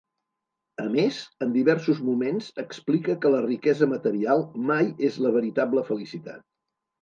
A més, en diversos moments explica que la riquesa material mai és la veritable felicitat.